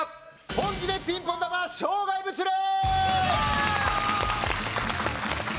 本気でピンポン玉障害物レース！